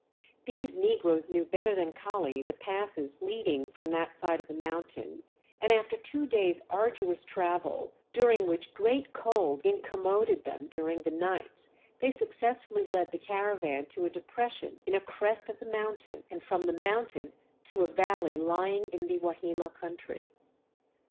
These negroes knew better than Kali the passes leading from that side of the mountain, and after two days' arduous travel, during which great cold incommoded them during the nights, they successfully led the caravan to a depression in a crest of a mountain and from the mountain to a valley lying in the Wahima country.